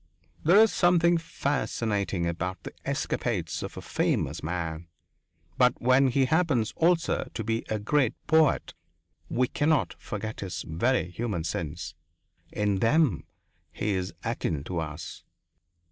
There is something fascinating about the escapades of a famous man, but when he happens also to be a great poet, we cannot forget his very human sins in them he is akin to us.